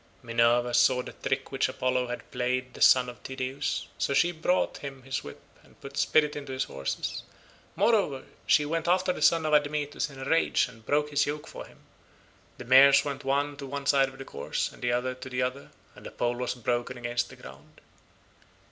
Minerva saw the trick which Apollo had played the son of Tydeus, so she brought him his whip and put spirit into his horses; moreover she went after the son of Admetus in a rage and broke his yoke for him; the mares went one to one side of the course, and the other to the other, and the pole was broken against the ground.